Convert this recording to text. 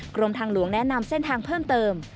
กรมทางหลวงแนะนำเส้นทางเพิ่มเติม